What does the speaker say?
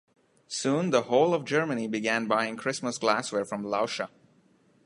Soon, the whole of Germany began buying Christmas glassware from Lauscha.